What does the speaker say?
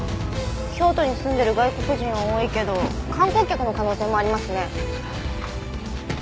京都に住んでいる外国人は多いけど観光客の可能性もありますね。